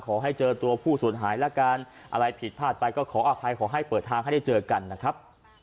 ขอให้เจอตัวผู้สูญหายละกันอะไรผิดพลาดไปก็ขออภัยขอให้เปิดทางให้ได้เจอกันนะครับ